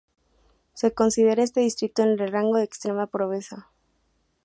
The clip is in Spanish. Se considera a este distrito en el rango de extrema pobreza.